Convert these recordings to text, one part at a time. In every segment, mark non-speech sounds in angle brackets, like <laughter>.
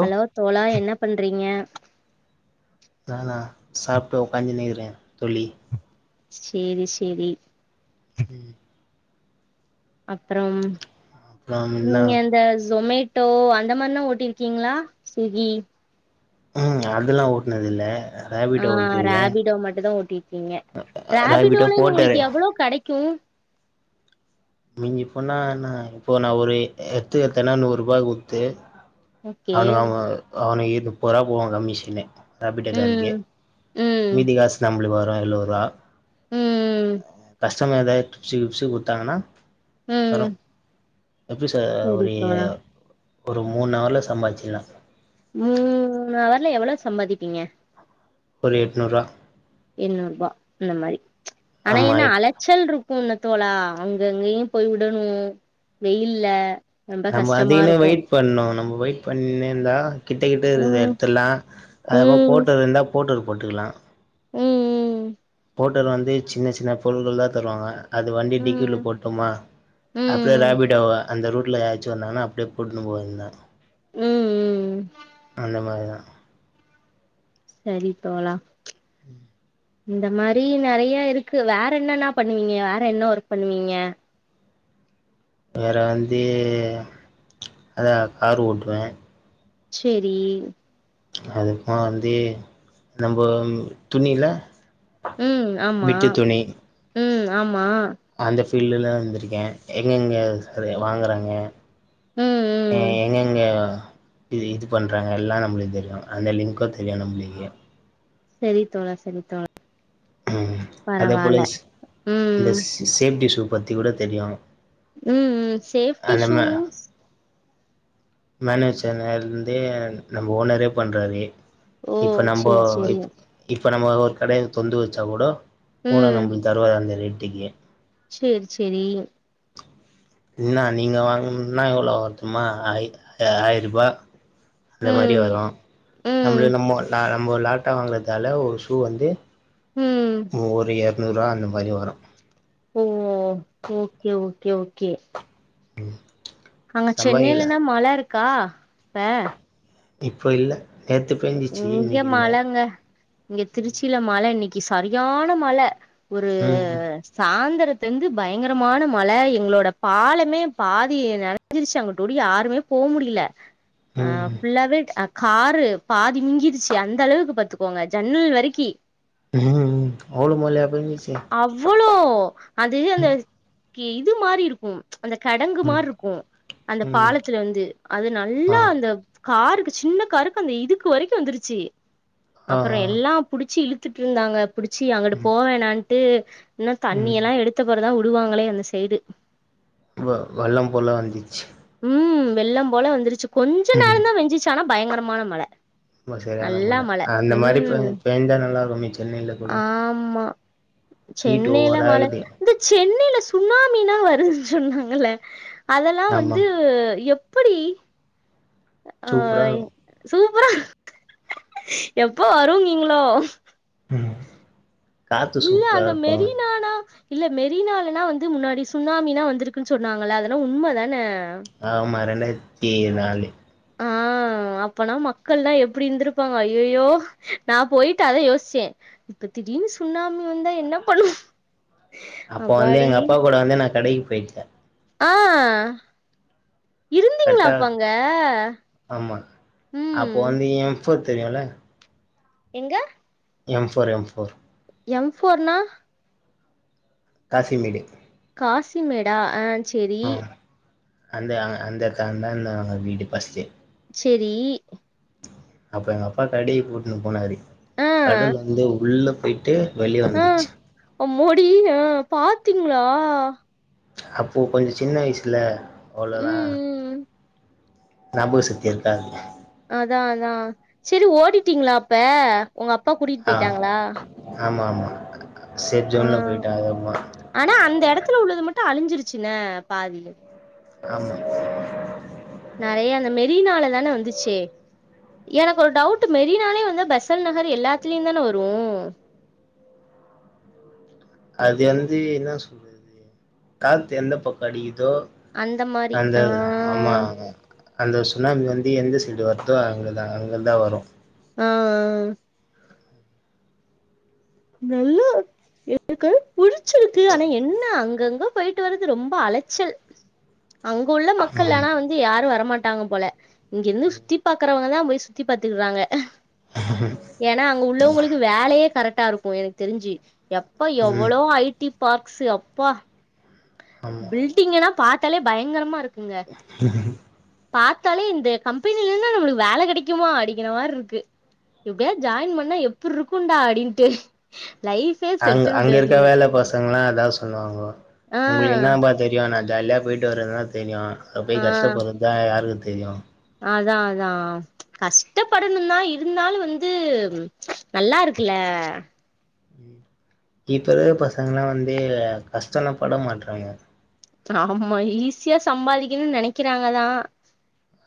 Hello தோழா என்ன பண் றீங்க நானா சாப்ட்டு உக்காந்துனுக்குற தொல்லி சேரி சேரி அப்றம் அப்றோ என்னா நீங்க அந்த ஜொமேட் டோ அந்த மாரில்லா ஓட்டிர்க்கீங்களா ஸ்விகி ம் அதுலா ஓட்னதில்ல ஆ ரேபிட்டோ ஓட்டிருக்கே ராபிடோ மட்டுந்தா ஓட்டிர்க்கீங்க ரேபிட்டோ ராபிடோல நீ போட்டாரு உங்களுக்கு எவ்வளோ கெடைக்கு மிஞ்சி போனா நா இப்போ நா ஒரு எடத்துக் எட்த்தனா நூறுபாகுத்து ஓகே அனு அவ அவன ஏத் முப்பருவா போவா கம்மிஷனே ராபிடோ காரன்க்கே ம் ம் மீதி காசு நம்ப்ளு வ எழ்வருவா ம் கஸ் சங்க எதா டிபன்ஸு கிப்ஸு குட்த்தாங்கனா ம் வரு எப்பி சொல்ற சரி ஒரீ தோழா ஒரு மூணவர்ல சம்பாதிச்லா ம் மூணவர்ல எவ்வளோ சம்பாதிப்பீங்க ஒரு எட்நூற்வா எண்ணூறுபா இந்த மாரி ஆனா ஆமா என்னா எட் அலச்சல் ருக்கு தோழா அங்கங்கயும் போய் உடணு வெயில்ல ரொம்ப நம்ம கஷ்டமா அதுகுன்னே இருக்கு வெயிட் பண்ணு நம்ம வெயிட் பண்ணே இருந்தா கிட்ட கிட்ட இருக்த ம் எட்த்துல்லா அதமா ம் போட்டல் இருந்தா போர்ட்டல் போட்டுக்லா ம் ம் ஹோட்டல் வந்து சின்ன சின்ன பொருள்கள் தா தருவாங்க அது வண்டி ம் டிக்கியுள்ள போட்டோமா அப்றொ ம் ராபிடோவா அந்த ரூட்ல யாச்சு வந்தாங்கனா அப்டியே போட்டுனு போ வேண்டிதா ம் அந்த மாரிதா சரி தோழா ம் இந்த மாரி நறையா இருக்கு வேற என்னன்னா பண்ணுவீங்க வேற என்ன ஒர்க் பண்ணுவீங்க வேற வந்தீ அதா காரு ஓட்டுவே சேரி அதுக்கப்பமா வந்து நம்போ துணியில ம் ஆமா ம் ஆமா ஃபீல்ட்லலா வந்துருக்கே எங்கெங்க <unintelligible> வாங்குறாங்க ம் ஆ ம் எங்கெங்க இது இது பண்றாங்க எல்லா நம்ளுக்கு தெரியு அந்த லிங்க்கு தெரியு நம்ளுக்கு செரி தோழா செரி தோ ம் அதே போல ஸ் அந்த ம் ஸ் சேஃப்டி ஷூ பத்திக் கூட தெரியு ம் ம் சேஃட்டி ஷூஸ் மேனேஜர் இருந்தே நம்ம ஓனரே பண்றாரு ஓ இப்ப நம்போ சேரி சேரி இப் இப் இப்ப நம்ம ஒரு கடைய தொர்ந்து வெச்சா கூடோ போனா நம்ளிக் தருவாரு அந்த ரேட் டுக்கே சேர் சேரி என்னா நீங்க வாங்கணுன்னா எவ்ளோ வரு தெரிமா ஆய் ஆய்ருபா அந்த மாரி ம் வரு ம் நம்ப்ளே நம்மோ நா நம்ம லாட்டா வாங்குறதால ஒரு ஷூ வந்து. ம் <unintelligible> நூறுவா அந்த மாரி வரும். ஓ ஓகே ஓகே ஓகே. அங்க சம்பாதிக்கல சென்னைலேனா மழை கா பே. இப்போ இல்ல. நேத்து பேஞ்சிச்சு இங்க இன்னைக்கு இல்ல மழங்க இங்க திருச்சியில மழை நிக். இங்க சரியான மழை. ஒரு ம் சாந்த. சாயந்திலிருந்து பயங்கரமான மழை எங்களோட பாலமே பாதி நெறஞ்சிருச்சு, அங்குடோடி யாருமே போகமுடில. ஆ ம் ஃபுல்லாவே அ. காரு. பாதி மிங்கிருச்சு அந்த அளவுக்கு பாத்துக்கோங்க, ஜன்னல் வரைக்கி. ம் அவ்ளோ மழையா பேஞ்சிச்சு அவ்வளோ அது ம் அந்த.. கே இது மாரி இருக்கும்.. அந்த கெடங்கு ம் மாரிருக்கும் அந்த ம் பாலத்துல வந்து, அது ஆ நல்லா அந்தப். காருக்கு சின்ன காருக்கு அந்த இதுக் கு வரைக்கு வந்துருச்சி ஆ ஆ அப்பறோ எல்லா புடிச்சி இழுத் துட்ருந்தாங்க புடிச்சி அங்குட்டு ம் போவேணான் ஹு இன்னு தண்ணி ம் எல்லா எடுத்தபெறதா உ உடுவாங்களே அந்த சைடு வ வெள்ளம் போல வந்திச்சி உம் வெள்ளம் போல வந்துருச்சு கொஞ்சொ நேரந்தா பெஞ்சிச்சி ஆனா பயங்கரமான மழ அமா சரியான நல்லா மழ அந்த மாரி பெ ம் பெஞ்சா நல்லா இருக்குமே சென்னைல கூட ஹீட் சென்னைல ஓவரா மழ ஆகுது இந்த சென்னைல சுனாமினா வருதுன் சொன்னாங்கல்ல அதெல்லா வந் ஆமா து எப்புடி சூப்பரா ஆய் இருக்கு சூ அப்புறொ எப்ப வருங்கீங்களோ ம் காத்து இல்ல சூப்பரா அந்த இருக்கு மெரினானா இல்ல மெரினாலனா வந்து முன்னாடி சுனாமினா வந்திருக்குனு சொன்னாங்கள அதெல்லா உண்மதான ஆமா ரெண்டாயித் தீ நாலு ஆஹ் அப்பனா மக்கள்லா எப்புடி இருந்திருப்பாங்க அய்யயோ நா போயிட்டு அதா யோசிச்சே இப்ப திடீனு சுன்னாமி வந்தா என்ன பண்ணு அப்ப வந்து எங்க அப்பா கூட வந்து நா கடை பெய்ட்ட ஆஹ் இருந்திங்ளா கரெக்டா அப்ப அங்க உம் இப்பொ தெரியுல எங்க எம்ஃபோர் எம்ஃபோர் எம் ஃபோர்னா காசிமேடு காசிமேடா அ செரி ஆ அந்த அ அந்த கந்தந்த அ வீடு பஸ்ட்டு செரி அப்ப எங்க அப்பா கடைக்கு கூட்ன்னு போனாரு ஆ கடல் வந்து உள்ள ட்டு வெளிய வந்துச்சி மோடி ஆ பாத்தீங்ளா அப்போ கொஞ்ச சின்ன வைசுல ம் ம் ஞாபக சக்தி இருக்காது அதா அதா செரி ஓடிட்டீங்ளா அப்ப ஒங்க அப்பா கூட்டியுட் ஆ போயிட்டாங்ளா ஆமா ஆமா சேஃப் ஆ ஜோன்ல போயிட்டே ஆமா ஆனா அந்த எடத்ல உள்ளது மட்டு அழிஞ்சிருச் சுன பாதி ஆமா நறைய அந்த மெரினால தான வந்துச்சு எனக்கு ஒரு டவுட்டு மெரினாலே வந்து பெசல் நகர் எல்லாத்லியுந் தான வரு அது வந்து என்னா சொ காத்து எந்தப் பக்கொ அடிக் தோ அந்த மாரி அந்த ஆ ஆமா அந்த சுனாமி வந்து எந்த சைடு வருதோ அங்கதான் அங்கருந்தான் வரும் ம்ம்ம்ம் நல்லா இருக்கு புடிச்சிருக்கு ஆனா என்ன அங் அங்கங்க போயிட்டு வர்றது ரொம்ப அலைச்சல் அங்க உள்ள மக்கள் ம் ஆனா வந்து யாரும் வரமாட் மாட்டாங்க போல இங்க இருந்து சுத்தி பாக்குறவ இங்கதான் போயி சுத்தி பாத்துக்குறாங்க ஏனா அங்க உள்ளவுங்களுக்கு வேலையே கரெக்ட் டாரு க எனக்கு தெரிஞ்சு எப்ப ம் எவ்ளோ ஐ டி பார்க்ஸ் அப்பா பில்டிங்கெலாம் பாத் பார்த்தாலே பயங்கரமா இருக் பாத்தாலே இந்தக் கம்பெனிலெலா நம்மளுக்கு வேல கெடைக்குமா அப்டிங்கிற மார்ருக்கு எப்டியாது ஜாயின் பண்ணா எப்பிர்ருக்குன்டா அப்டின்ட்டு லைஃபே அங் அங்க செட்டில்டு இருக்க அப்டின்னு வேல பசங்களா இதா சொல்லுவாங்கோ ஆ உங்களுக்கு என்னாப்பா தெரியு நா ஜாலியா போய்ட்டு வர்றதா தெரியு அங்க ஆ போய் கஷ்டப்படுறதுதா யாருக்கு ஏனா அதா அதா கஷ்டப்படணுந்தான் இருந்தாலு வந்து நல்லா இருக்கல்ல ம் இப்ப இருக்கற பசங்கள்லாம் வந்து கஷ்டமெல்லா பட மாட்றாங்க ஆமா ஈஸியா சம்பாதிக்கணுனு நெனைக்கிறாங்கதா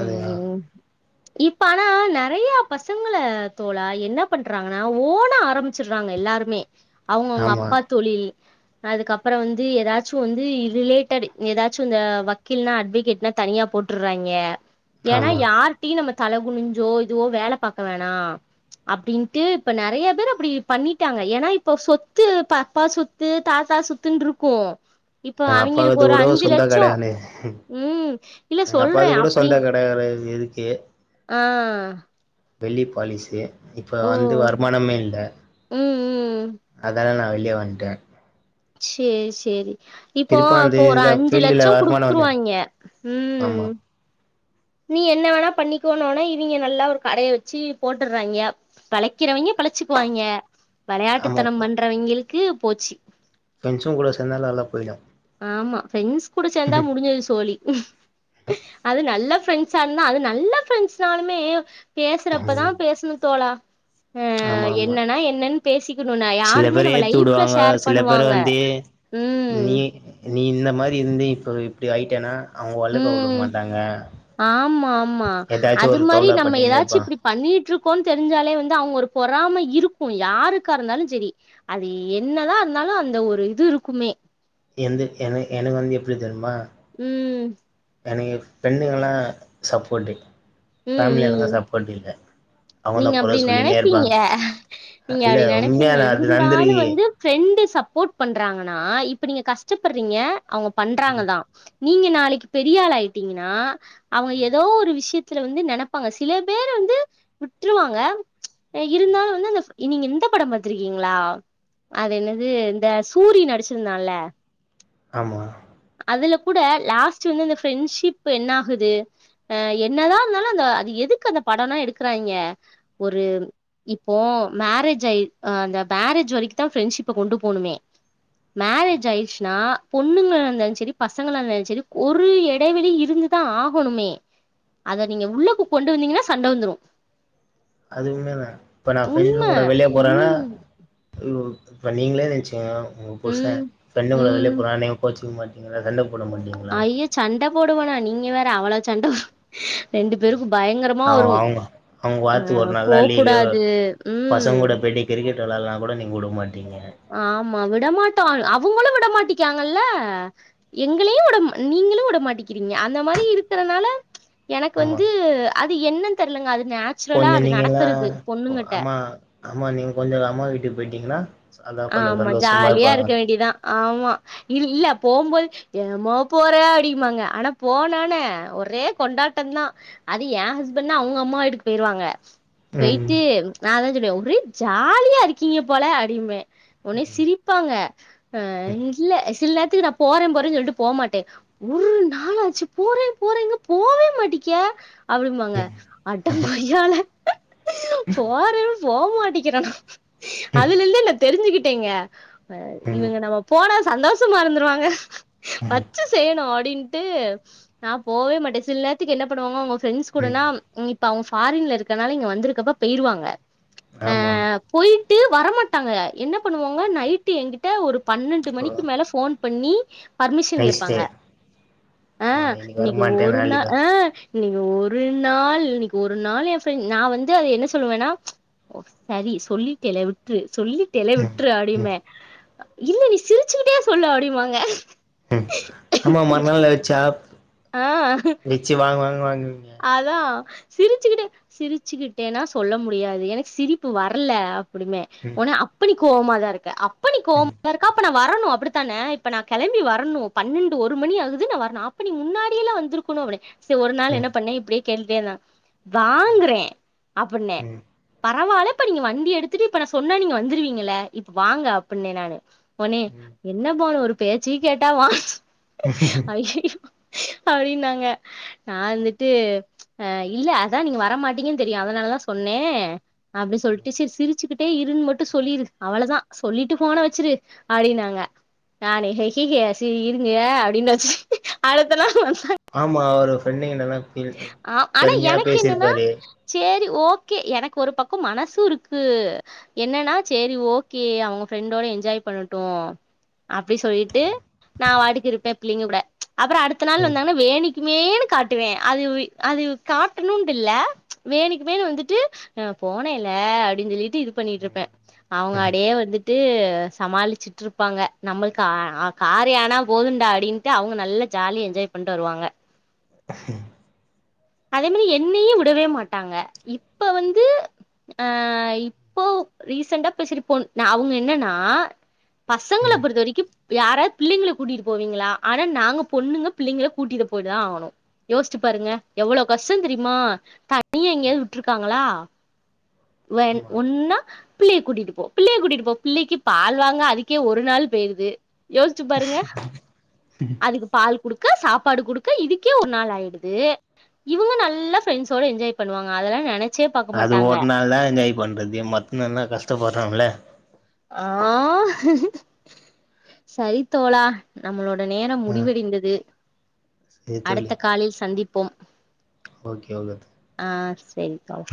அதயா ம் இப்ப ஆனா நெறயா பசங்கள தோழா என்ன பண்றாங்கனா ஓணா ஆரம்பிச்சிடுறாங்க எல்லாருமே அவுங்கவுங்க ஆமா அப்பா தொழில் அதுக்கப்புறோ வந்து எதாச்சு வந்து இதுவே எதாச்சு இந்த வக்கீல்னா அட்வகேட்னா தனியா போட்டுறாய்ங்க ஏனா ஆமா யார்ட்டையு நம்ம தலை குனிஞ்சோ இதுவோ வேல பாக்க வேணா ப்ச் அப்படின்ட்டு இப்ப நெறயா பேர் அப்படி பண்ணிட்டாங்க ஏனா இப்ப சொத்து பப்பா சொத்து தாத்தா சொத்துன்ருக்கு இப்ப அவிங்களுக் இது கூடோ சொந்த கெடயாதே இல்ல எங்க அப்பாது சொல்றேன் கூட அப்படி சொந்த கெட யாது இருக்கு ஆஹ் வெள்ளி பாலிசு இப்ப வந்து ஓ வருமானமே இல்ல ம் ம் அதா நா வெளிய வன்ட்ட சேரி சேரி இப்போ அந்த அப்போ ஒரு இதுல அஞ்சு ஃபீல்டுல லட்சம் வருமானம் வந்த குடுத்துருவாய்ங்க உம் ஆமா நீ என்ன வேணா பண்ணிக்கோனோன்ன இவிங்க நல்லா ஒரு கடய வச்சு போட்டுறாய்ங்க பிழைக்கிறவங்க பிழச்சிக்குவாய்ங்க வெளையாட்டுத்தனம் ஆமாப்பா பண்றவிங்களுக் க்கு போச்சி ஃப்ரெண்ட்ஸுங் கூட சேந்தாலு நல்லா போயிடு ஆமா பிரெண்ட்ஸ் கூட சேந்தா முடிஞ்சது சோலி அது நல்ல ஃப்ரெண்ட்ஸா இருந்தா அது நல்ல ஃப்ரெண்ட்ஸ்னாலுமே பேசுறப்பதா ம் பேசுணு தோழா அஹ் ஆமா ஆமா என்னன்னா என்னன்னு பேசிக்கணும்னா சில யாருமே பேர் நம்ம ஏத்தி லைஃப்ல உடுவாங்க ஷேர் சில பேர் பண்ணுவாங்க வந்து உம் நீ நீ இந்த மாரி இருந்து இப்போ இப்டி ஆய்ட்டனா உம் ஆமா ஆமா எதாச்சு அது ஒரு மாரி தொல்ல நம்ம பண்ணினே எதாச்சு இருப்பா இப்படி பண்ணிட்டுருக்கோன் தெரிஞ்சாலே வந்து அவுங்களு பொறாம இருக்கு யாருக்கா இருந்தாலுஞ் செரி அது என்னதா இருந்தாலு அந்த ஒரு இது இருக்குமே எந்து என எனக்கு வந்து எப்படி தெர்மா உம் எனக்கு ஃப்ரெண்டுங்கள்ளா சப்போட்டு ம் ம் அவங்கதா நீங்க கொற அப்படி சொல்லினே நெனப்பீங்க இருப்பாங்க நீங்க இல்ல அப்படி உண்மையா நெனப்பீங்க அது இருந்தாலு நடந்திருக்கு ஃப்ரெண்டு சப்போர்ட் பண்றாங்கனா இப் இப்ப நீங்க கஷ்டப்படுறீங்க அவுங்க பண்றாங்கதா நீங்க நாளைக்கு பெரியாள ஆயிட்டீங்னா அவுங்க ஏதோ ஒரு விஷயத் சிலர் வந்து நெனப்பாங்க சில பேரு வந்து விட்டுருவாங்க ச்ச அ இருந்தாலு வந்து அந்த நீங்க இந்த படம் பாத்திருக்கீங்ளா அது என்னது இந்த சூரி நடிச்சிருந்தான்லே ஆமா கூட லாஸ்ட் வந்து அந்த ஃப்ரெண்ட்ஷிப் என்னாகுது ஆ எ என்னதா இருந்தாலோ அந்த அது எதுக்கு அந்த படோலா எடுக்கறாய்ங்க ஒரு இப்போ மேரேஜ் ஆயி ஆ அந்த மேரேஜ் வரைக்குதா ஃப்ரெண்ட்ஷிப்ப கொண்டு போணுமே மேரேஜ் ஆயிர்ச்சுனா பொண்ணுங்க இருந்தாலுச் செரி பசங்களா இருந்தாலுச் செரி ஒரு எடைவெளி இருந்துதா ஆகணுமே அத நீங்க உள்ளக்கு கொண்டு வந்தீங்கன்னா சண்ட வந்துரோ அது உண்மேதா இப்ப நா ஃப்ரெண்ட்டுருங்க கூட வெளியே போறேனா ம் <unintelligible> இப்ப நீங்ளே நென்ச்சு <unintelligible> உங்க புருஷ்சே ம் ஃப்ரெண்டுங்க கூட வெளிய ம் போறா நீங்க கோச்சு தூங் மாட்டீங்ளா சண்ட போட மாட்டீங்ளா ஐயோ சண்ட போடுவனா நீங்க வேற அவ்ளோ சண்ட வ ஆ அவு அவுங்க அவுங்க அ வார்த்துக்கு ஒரு போ நாள்தா லீவு எதோ கூடாது ம் பசங்க கூட போய்ட்டு கிரிக்கெட் விளாலானு கூட நீங்க உடோவு மா ஆமா விட மாட்டோ <unintelligible> ஆ வுங்களோ விடமாட்டிக்காங்கல்லே எங்களேயு உட ம் நீங்களும் உடமாட்டிக்கிறீங்க அந்த மாரி இருக்கறனால ச்ச எனக்கு ஆமா வந்து அக் து என்னன் தெர்லங்க அது நேச்சுரலா கொஞ்சோ அது நீங்கெல்லா நடக்கறது பொண்ணுங்கட்ட அம்மா அம்மா நீங்க கொஞ்சோ அம்மா வீட்டுக்கு போயிட்டீங்னா ஆமா ஜாலியா இருக்க வேண்டிதா ஆமா இல் இல்ல போம்போது ஏம்மா போற அப்டின்பாங்க ஆனா போனோனே ஒரே கொண்டாட்டந்தா அது எ ஹஸ்பண்ட்னா அவுங்க அம்மா வீட்டுக்கு போயிருவாங்க ம் பேயிட்டு ச்ச நா அதா சொ டியாவு ஒரே ஜாலியா இருக்கீங்க போல அப்டிம்பே ஒன்னே சிரிப்பாங்க ஆ இ இல்ல சில் நேர் தின்கு நா போறே போறேன்னு சொல்ட்டு போ மாட்டே ஒர்ரு நாளாச்சு போறே போறேங்கா போவே மாட்டிக்கே அப்டிம்பாங்க அடங் கொய்யால <unintelligible> போறே போ மாட்டிக்கிறனா அது <unintelligible> தெரிஞ்சுகிட்டேங்க ம் இவங்க நம்ம போன சந்தோஷமா இருந்துருவாங்க வச்சு செய்யணு அப்டின்ட்டு நா போவே மாட்டே சில் நேர்த்துக்கு என்ன பண்ணுவாங்கோ அவுங்க ஃப்ரெண்ட்ஸ் ம் கூடனா நி ப்ப அவுங்க ஃபோர்இன்ல இருக்கற்னால இங்க வந்துருக்கப்போ பேயிருவாங்க ஆமா டு வரமாட்டாங்க என்ன பண்ணுவாங்க நைட் என்கிட்ட ஒரு பன்னெண்டு மணிக்கு மேல போன் பண்ணி பர்மிஷன் நைஸ் கேட்பாங்க டே ஆ ஆமா இன்னைக்கு வரமாட்டே ஒரு நா நாளைக்கு ஆ இன்னை ஒரு நாள் இன்னைக்கு ஒரு நாள் என் ஃப்ரெ நா வந்து அத என்ன சொல்லுவேன்னா ச்சு செரி சொல்லிட்டேல விட்ரு சொல்லி டேல ம் விட்டுரு ம் அப்டிம்பே இல்ல நீ சிரிச்சுக்கிட்டே சொல்லு அப்டிம்பாங்க ம் ஆமா மறுநாள் ஆயிடுச்சா வச்சு வாங் வாங் வாங் அதான் சிரிச்சுக்கிட்ட சிரிச்சுக்கிட்டேன்னா சொல்ல முடியாது எனகு சிரிப்பு வரல அப் அப்டியுபே ம் உடனே அப்டி கோமா தான் இருக்க அப் பண்ணிக்கோம் <unintelligible> வரணும் அப்டித்தானே இப்ப நான் கிளம்பி வரணும் பன்னெண்டு ஒரு மணி ஆகுது நான் வரணும் அப்ப நீ முன்னாடியலா வந்திருக்கணும் அப்டி செரி ஒரு நாள் என்ன ம் அப்டியே கேட்டுட்டே இருந்தாங்க வாங்றேன் அப்ன்னே ம் பரவால இப்ப நீங்க வண்டி எடுத்துட்டு இப்ப நான் சொன்னா நீங்க வந்துருவீங்கள இப்ப வாங்க அப்ன்னே நானு உடனே ம் என்ன பானு ஒரு பேச்சு கேட்டா வா அய்யயோ அப்டினாங்க நான் இருந் ட்டு ச்சு இல்ல அதான் நீங்க வரமாட்டீங்கன்னு தெரியும் அதனாலதான் சொன்னேன் அப்டி சொல்லிட்டு செரி சிரிச்சுக்கிட்டே இருன்னு மட்டும் சொல்லிரு அவ்ளதான் சொல்லிட்டு போனை வச்சுிரு அப்டின்னாங்க நான்ஹக ச இருங்க அப்படின்னு வச்சு அடுத்தநாள் வந்தாங்க ஆமா அவர் ஃப்ரெண்டிங்க நல்லா ஆஹ் ஆனா எனக்கு என்னன்னா சே செரி ஓகே எனக்கு ஒரு பக்கம் மனசும் இருக்கு என்னன்னா செரி ஓகே அவங்க ஃப்ரெண்டோட என்ஜாய் பண்ணட்டும் அப்படி சொல்லிட்டு நான் வாட்டுக்கு இருப்பேன் பிள்ளைங்க கூட ச்சு அப்புறோ அடுத்த நாள் ம் வந்தாங்கன வேணிக் மேன்னு காட்டுவேன் அது அது காட்டணுட்டு இல்ல வேனுக்கு மேன் வந்துட்டு அ போனேல அப்படின்னு சொல்லிட் ட்டு இது பண்ணிட்டு இருப்பேன் அவங்க அடயே வந்துட்டு சமாளிச்சுட்டு இருப்பாங்க நம்மளுக்கு கா காரியான போதுண்டா அப்படின்னுட்டு அவங்க நல்லா ஜாலிய என்ஜாய் பண்ணிட்டு வருவாங்க <unintelligible> அதே மாரி என்னையு விடவே மாட்டாங்க இப்ப வந்து ஆஹ் இப்போ ரீசென்டா பேசிருப்பேன் அவ்ங்க என்னன்னா பசங்கள பொறுத்த வரைக்கு யாராவ்து பிள்ளைங்கள கூட்டிட்டு போவீங்களா ஆனா நாங்க பொண்ணுங்க பிள்ளைங்கள கூட்டிட்டு போய்தா ஆகணு யோஸ்ச்சு பாருங்க எவளோ கஷ்டந் தெரியுமா உள்ள எங்யாவ்து விட்டுருக்காங்களா வேற ஆமா ஒன்னா பிள்ளையகூட்டிட்டு போ பிள்ளைய கூட்டிட்டு போ பிள்ளைக்கு பால் வாங்க அதுக்கே ஒரு நாள் போயிருது யோஸ்ச்சு பாருங்க அதுக்கு பால் குடு க்க சாப்பாடு குடுக்க இதுக்கே ஒரு நாள் ஆயிடுது இவுங்க நல்லா ஃபிரெண்ட்ஸ்சோட என்ஜாய் பண்ணுவாங்க அதெல்லா நெனச் அது ஒரு நாள் தா என்ஜாய் பண்றது மத்த நாள்லா கஷ்டப்பட்றோல ஆஹ் சரி தோழா நம்மளோ ட நேரம் ஆ முடிவடைந்தது சரி அடுத்த காலில் சந்திப் போம் ஓகேங்க செரி கால்